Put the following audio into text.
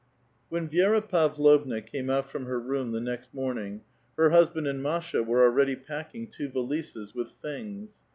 When Vi^ra Pavlovna came out from her room the next enoming, her husband and Masha were already packing two valises with things.